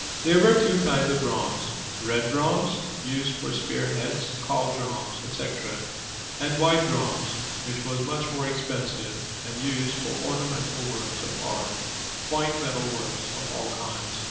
There were two kinds of bronze: red bronze, used for spear heads, caldrons, etc.; and white bronze, which was much more expensive, and used for ornamental works of art fine metal work of all kinds.